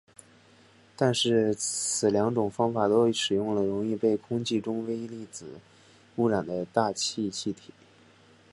但是此两种方法都使用了容易被空气中微粒子污染的大气气体。